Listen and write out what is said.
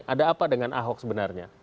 ada apa dengan ahok sebenarnya